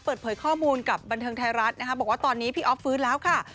เปิดเผยข้อมูลกับบันเทิงไทยรัฐนะคะบอกว่าตอนนี้พี่อ๊อฟฟื้นแล้วค่ะ